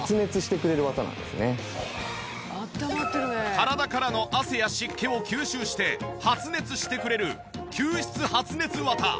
体からの汗や湿気を吸収して発熱してくれる吸湿発熱綿。